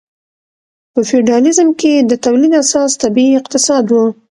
په فیوډالیزم کې د تولید اساس طبیعي اقتصاد و.